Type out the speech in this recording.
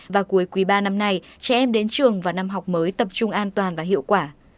và cuối quý ba năm nay trẻ em đến trường vào năm học mới tập trung an toàn và hiệu quả